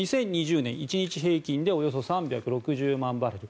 ２０２０年１日平均でおよそ３６０万バレル。